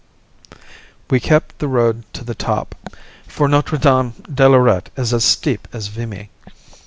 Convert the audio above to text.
We kept the road to the top, for Notre Dame de Lorette is as steep as Vimy.